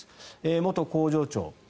元工場長。